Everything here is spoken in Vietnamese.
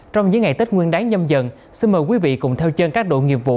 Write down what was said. trong những ngày tết nguyên đáng nhâm dần xin mời quý vị cùng theo chân các đội nghiệp vụ